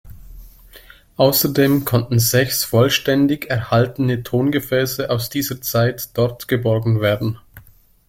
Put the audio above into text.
Außerdem konnten sechs vollständig erhaltene Tongefäße aus dieser Zeit dort geborgen werden.